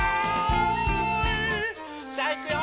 さあいくよ！